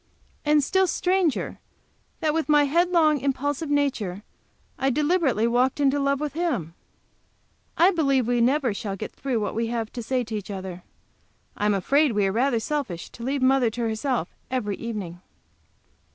And still stranger that with my headlong, impulsive nature, I deliberately walked into love with him! I believe we shall never get through with what we have to say to each other. I am afraid we are rather selfish to leave mother to herself every evening.